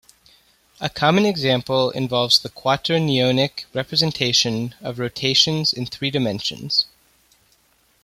A common example involves the quaternionic representation of rotations in three dimensions.